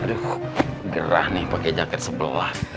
aduh gerah nih pake jaket sebelah